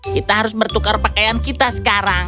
kita harus bertukar pakaian kita sekarang